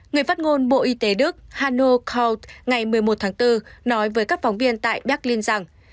người phát ngôn bộ y tế đức hano kaut ngày một mươi một tháng bốn nói với các phóng viên tại berlin rằng